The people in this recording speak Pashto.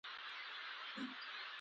اوس هم ګودرونه پاتې دي.